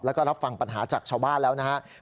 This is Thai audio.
แล้วก็รับฟังปัญหาจากชาวบ้านแล้วนะครับ